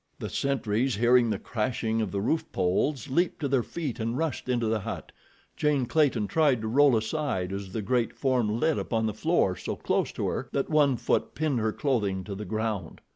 The sentries, hearing the crashing of the roof poles, leaped to their feet and rushed into the hut. Jane Clayton tried to roll aside as the great form lit upon the floor so close to her that one foot pinned her clothing to the ground.